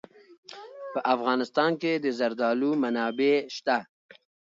په افغانستان کې د زردالو منابع شته.